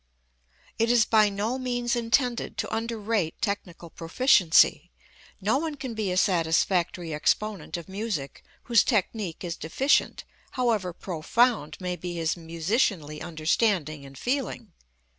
It is by no means intended to underrate technical proficiency. No one can be a satisfactory exponent of music whose technique is deficient, however profound may be his musicianly understanding and feeling.